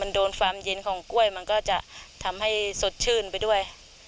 โดนความเย็นของกล้วยมันก็จะทำให้สดชื่นไปด้วย